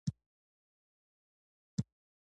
شېرګل وويل دريشي خطرناکه ده.